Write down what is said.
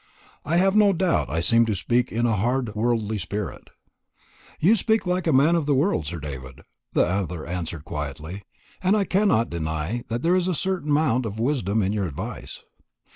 I have no doubt I seem to speak in a hard worldly spirit." "You speak like a man of the world, Sir David," the other answered quietly; "and I cannot deny that there is a certain amount of wisdom in your advice.